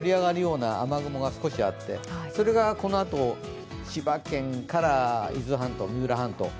北側に盛り上がるような雨雲が少しあってそれがこのあと、千葉県から伊豆半島、三浦半島